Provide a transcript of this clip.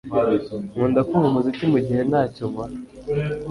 Nkunda kumva umuziki mugihe ntacyo nkora